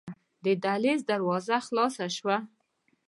د دهلېز دروازه خلاصه شوه.